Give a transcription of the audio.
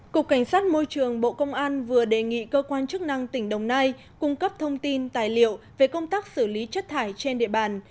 cục cảnh sát môi trường bộ công an vừa đề nghị cơ quan chức năng tỉnh đồng nai cung cấp thông tin tài liệu về công tác xử lý chất thải trên địa bàn